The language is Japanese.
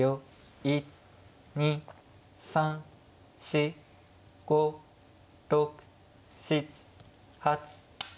１２３４５６７８。